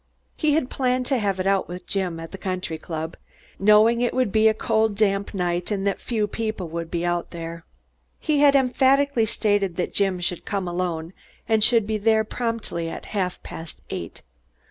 He had planned to have it out with Jim at the country club, knowing it would be a cold damp night and that few people would be out there. He had emphatically stated that Jim should come alone and should be there promptly at half past eight.